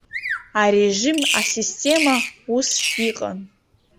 Арежим асистема ус иҟан.